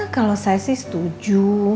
kalau saya sih setuju